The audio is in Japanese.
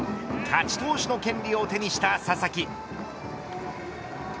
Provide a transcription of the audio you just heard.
勝ち投手の権利を手にした佐々木。